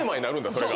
それが。